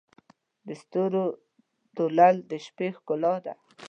د ستورو تلؤل د شپې ښکلا ده.